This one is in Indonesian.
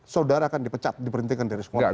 saudara akan dipecat diperintahkan dari sekolah